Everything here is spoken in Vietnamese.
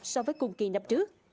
so với cùng kỳ năm trước